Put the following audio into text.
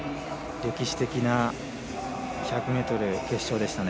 歴史的な１００ｍ決勝でしたね。